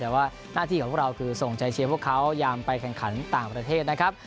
แต่ว่าหน้าที่ของพวกเราคือส่งใจเชียร์พวกเขายามไปแข่งขันต่างประเทศนะครับ